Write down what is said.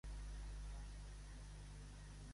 Quina passada! —afegeix l'Astrid— M'hi quedaria a viure.